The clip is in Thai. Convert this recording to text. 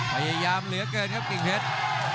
พยายามเหลือเกินครับกิ่งเพชร